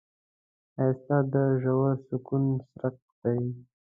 ښایست د ژور سکون څرک دی